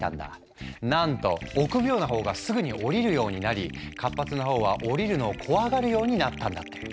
なんと臆病な方がすぐに下りるようになり活発な方は下りるのを怖がるようになったんだって。